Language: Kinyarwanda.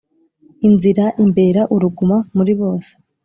inzira imbera uruguma muri bose